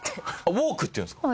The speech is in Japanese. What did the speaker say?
「ウォーク」って言うんですか？